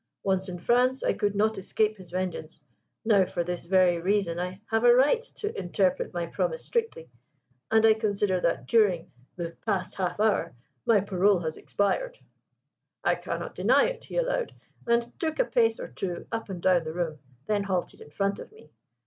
Once in France, I could not escape his vengeance. Now for this very reason I have a right to interpret my promise strictly, and I consider that during the past half hour my parole has expired.' 'I cannot deny it,' he allowed, and took a pace or two up and down the room, then halted in front of me.